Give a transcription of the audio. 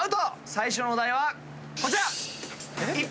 最初のお題はこちら！